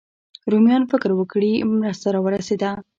رومیان فکر وکړي مرسته راورسېده.